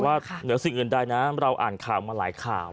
เหนือสิ่งอื่นใดนะเราอ่านข่าวมาหลายข่าว